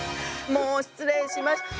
もう失礼しました。